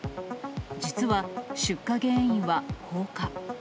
実は、出火原因は放火。